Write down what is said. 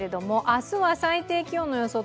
明日は最低気温の予想